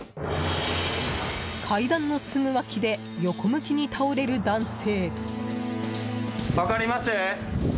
階段のすぐ脇で横向きに倒れる男性。